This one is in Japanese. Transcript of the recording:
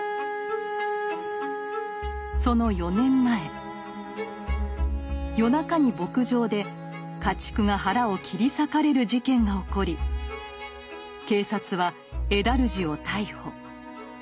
その４年前夜中に牧場で家畜が腹を切り裂かれる事件が起こり警察はエダルジを逮捕。